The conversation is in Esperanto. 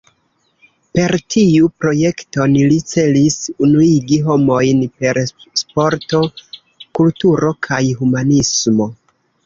Per tiu projekton, li celis “Unuigi homojn per Sporto, Kulturo kaj Humanismo“.